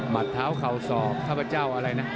มัดเท้าเข่าสองกะหน้าเจ้าอะไรนะ